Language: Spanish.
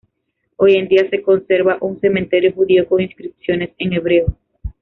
Hoy en día se conserva un cementerio judío con inscripciones en hebreo.